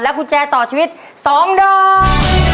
กุญแจต่อชีวิต๒ดอก